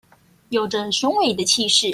有著雄偉的氣勢